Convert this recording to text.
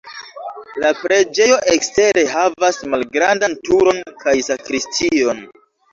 La preĝejo ekstere havas malgrandan turon kaj sakristion.